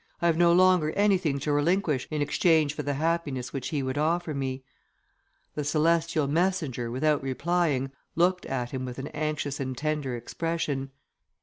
I have no longer anything to relinquish in exchange for the happiness which he would offer me." The celestial messenger, without replying, looked at him with an anxious and tender expression.